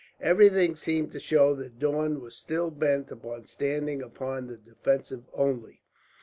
Everything seemed to show that Daun was still bent upon standing upon the defensive only.